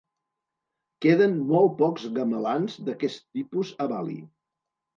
Queden molt pocs gamelans d'aquest tipus a Bali.